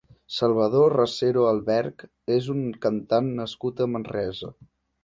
Salvador Racero Alberch és un cantant nascut a Manresa.